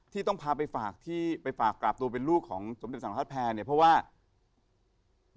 ที่ต้องพาไปฝากที่ไปฝากกราบตัวเป็นลูกของสมเด็จสรรคร้าดแผนเนี่ย